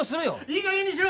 いいかげんにしろ！